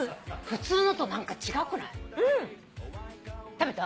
食べた？